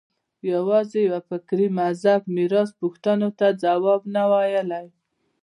یوازې یوه فکري مذهب میراث پوښتنو ته ځواب نه ویلای